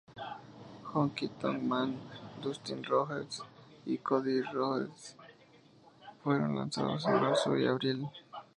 Honky Tonk Man, Dusty Rhodes y Cody Rhodes fueron lanzados en marzo y abril.